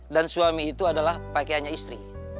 dan suami itu adalah pakaiannya istri